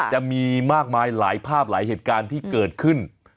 จะมีมากมายหลายภาพหลายเหตุการณ์ที่เกิดขึ้น